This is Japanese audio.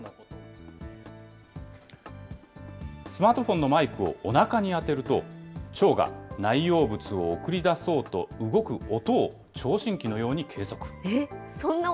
スマートフォンのマイクをおなかに当てると、腸が内容物を送り出そうと動く音を聴診器のように計測。